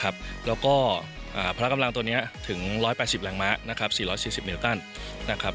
พละกำลัง๑๘๐แหลงม้า๔๔๐นิลกัน